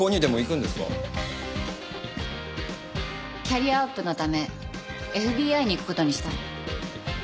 キャリアアップのためＦＢＩに行く事にしたの。